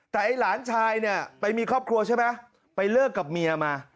แต่ไอ้หลานชายเนี่ยไปมีครอบครัวใช่ไหมไปเลิกกับเมียมา